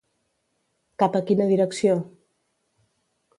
Cap a quina direcció?